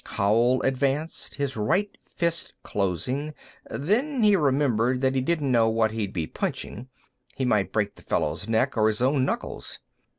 Howell advanced, his right fist closing. Then he remembered that he didn't know what he'd be punching; he might break the fellow's neck, or his own knuckles.